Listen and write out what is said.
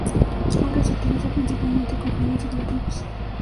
Ahora se utiliza principalmente con fines decorativos.